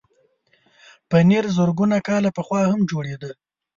پنېر زرګونه کاله پخوا هم جوړېده.